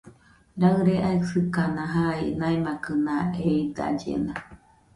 Raɨre aisɨkana jai, naimakɨna eidallena.